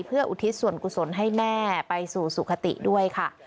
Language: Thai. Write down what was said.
เพื่ออุทิศส่วนกุศลให้แม่ไปสู่สุขติด้วยค่ะ